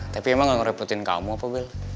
tapi emang gak ngerepotin kamu apa bilang